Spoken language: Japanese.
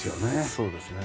そうですね。